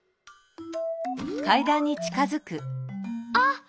あっ！